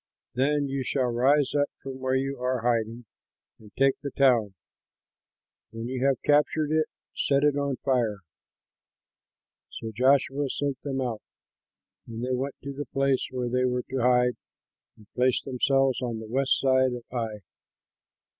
Then you shall rise up from where you are hiding, and take the town. When you have captured it, set it on fire." So Joshua sent them out, and they went to the place where they were to hide and placed themselves on the west side of Ai.